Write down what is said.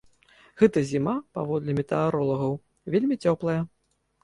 Гэта зіма, паводле метэаролагаў, вельмі цёплая.